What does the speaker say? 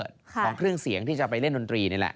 ของเครื่องเสียงที่จะไปเล่นดนตรีนี่แหละ